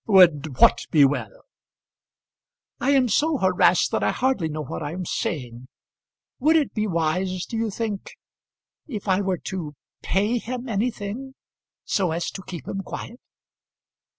"Would what be well?" "I am so harassed that I hardly know what I am saying. Would it be wise, do you think, if I were to pay him anything, so as to keep him quiet?"